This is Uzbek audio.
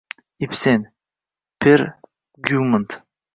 Ibsen. “Per Gyunt”